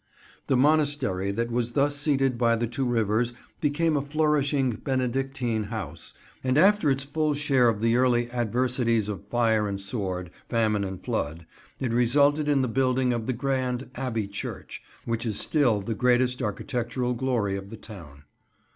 The monastery that was thus seated by the two rivers became a flourishing Benedictine house, and after its full share of the early adversities of fire and sword, famine and flood, it resulted in the building of the grand Abbey church, which is still the greatest architectural glory of the town.